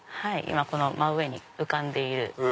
この真上に浮かんでいる。